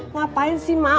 ngapain sih mak